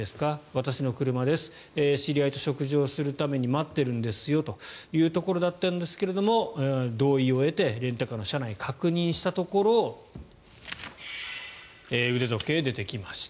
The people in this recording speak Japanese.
私の車です、知り合いと食事をするために待っているんですよというところだったんですが同意を得て、レンタカーの車内を確認したところ腕時計が出てきました。